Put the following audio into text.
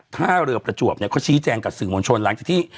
ท่าเรือประจวบเนี่ยเขาชี้แจงกับสื่อมวลชนหลังจากที่